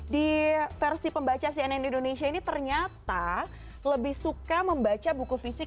di versi pembaca cnn indonesia ini ternyata lebih suka membaca buku fisik